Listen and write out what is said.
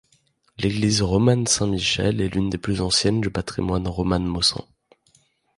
L'église romane Saint-Michel est l'une des plus anciennes du patrimoine roman mosan.